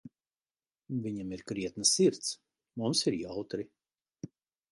Viņam ir krietna sirds, mums ir jautri.